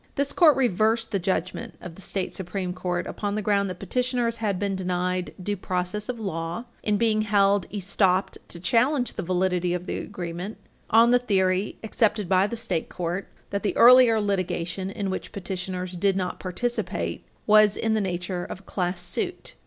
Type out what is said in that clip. This Court reversed the judgment of the state Supreme Court upon the ground that petitioners had been denied due process of law in being held estopped to challenge the validity of the agreement on the theory, accepted by the state court, that the earlier litigation, in which petitioners did not participate, was in the nature of a class suit.